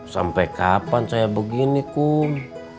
sampai kapan saya begini kum